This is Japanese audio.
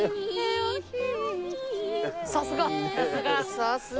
さすが！